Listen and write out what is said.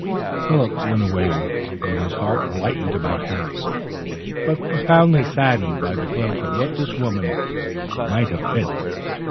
Philip went away with his heart lightened about Harry, but profoundly saddened by the glimpse of what this woman might have been.